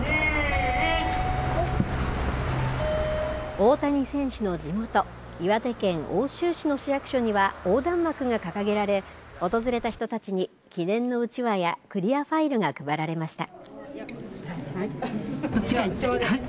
大谷選手の地元、岩手県奥州市の市役所には横断幕が掲げられ、訪れた人たちに記念のうちわやクリアファイルが配られました。